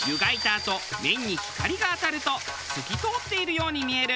あと麺に光が当たると透き通っているように見える。